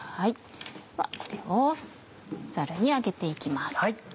これをザルに上げて行きます。